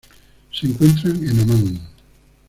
Se encuentran en Omán.